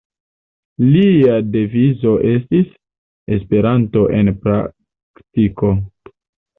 Lia devizo estis: «Esperanto en praktiko».